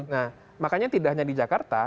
nah makanya tidak hanya di jakarta